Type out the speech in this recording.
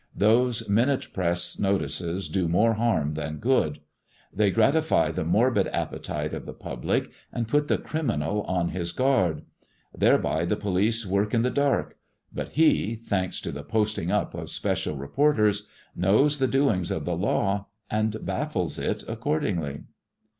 Those minute press notices do more harm than good. They 260 THE GREEN STONE GOD AND THE STOCKBROKER gratify the morbid appetite of the public, and put the criminal on his guard. Thereby the police work in the dark, but he — thanks to the posting up of special re porters — knows the doings of the law, and baffles it accordingly.